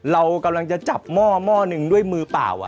เรากำลังจะจับหม้อหนึ่งด้วยมือเปล่า